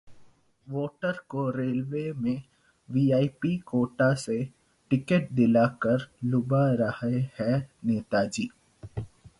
voter को railway में VIP quota से टिकट दिला कर लुभा रहे हैं नेताजी